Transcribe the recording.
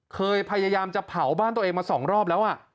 พยายามจะเผาบ้านตัวเองมา๒รอบแล้ว